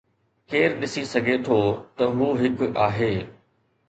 ڪير ڏسي سگهي ٿو ته هو هڪ آهي؟